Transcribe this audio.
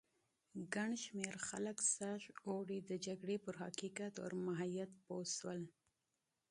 ګڼ شمېر خلک سږ اوړی د جګړې پر حقیقت او ماهیت پوه شول.